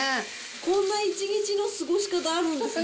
こんな一日の過ごし方あるんですね。